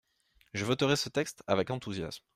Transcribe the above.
Je voterai ce texte avec enthousiasme.